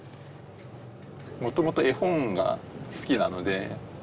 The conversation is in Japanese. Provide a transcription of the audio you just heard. もともと絵本が好きなので。